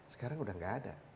sekarang sudah tidak ada